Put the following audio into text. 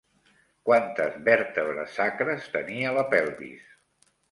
Quantes vèrtebres sacres tenia la pelvis?